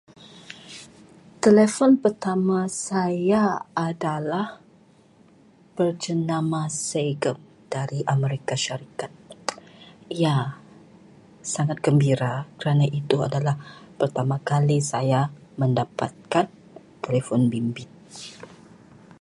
Telefon pertama saya adalah berjenama Sagem dari Amerika Syarikat. Ya, sangat gembira kerana itu pertama kali saya mendapatkan telefon bimbit.